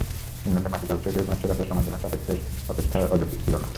ইংল্যান্ডের মাটিতে অভিষেকেই ম্যাচসেরা হয়ে প্রমাণ দিলেন সাসেক্সের অপেক্ষা অযৌক্তিক ছিল না।